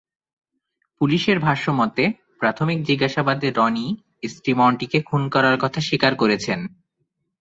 পুলিশের ভাষ্যমতে, প্রাথমিক জিজ্ঞাসাবাদে রনি স্ত্রী মন্টিকে খুন করার কথা স্বীকার করেছেন।